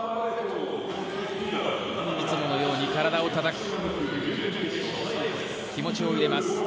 いつものように体をたたき気持ちを入れます。